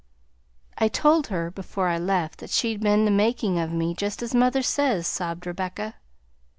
"I told her before I left that she'd been the making of me, just as mother says," sobbed Rebecca.